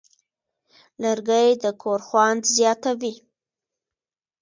لرګی د کور خوند زیاتوي.